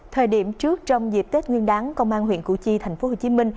thời điểm trước trong dịp tết nguyên đáng công an huyện củ chi tp hcm